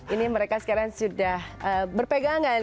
ini mereka sekarang sudah berpegangan